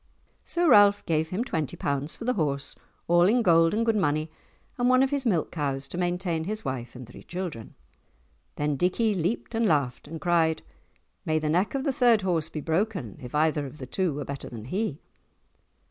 So Ralph gave him twenty pounds for the horse, all in gold and good money, and one of his milk cows to maintain his wife and three children. Then Dickie leaped and laughed, and cried, "May the neck of the third horse be broken if either of the two were better than he!"